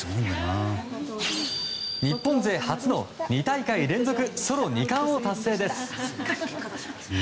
日本勢初の２大会連続ソロ２冠を達成です。